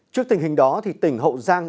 trước tình hình đó tỉnh hậu giang đã bị cấp nước